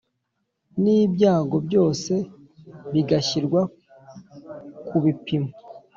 n’ibyago byose bigashyirwa ku bipimo!